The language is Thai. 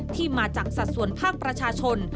ที่มาจากสัดส่วนภาคประชาชน